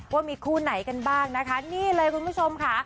ว่ามีคู่ไหนกันบ้างนะคะนี่เลยคุณผู้ชมค่ะ